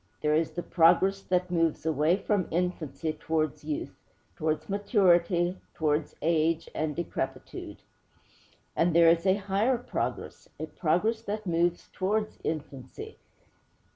There is the progress that moves away from infancy towards youth, towards maturity, towards age and decrepitude. And there is a higher progress, a progress that moves towards infancy.